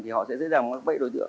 thì họ sẽ dễ dàng mắc bẫy đối tượng